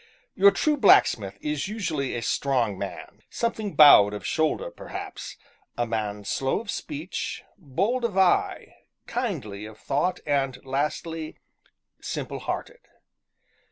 Your true blacksmith is usually a strong man, something bowed of shoulder, perhaps; a man slow of speech, bold of eye, kindly of thought, and, lastly simple hearted.